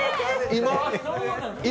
今？